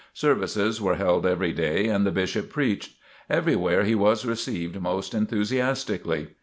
Services were held every day and the Bishop preached. Everywhere he was received most enthusiastically.